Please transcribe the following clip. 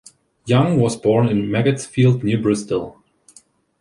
Young was born in Mangotsfield near Bristol.